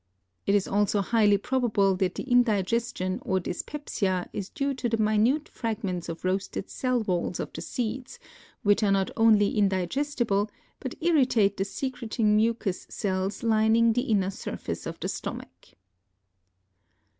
It is also highly probable that the indigestion or dyspepsia is due to the minute fragments of roasted cell walls of the seeds, which are not only indigestible, but irritate the secreting mucous cells lining the inner surface of the stomach.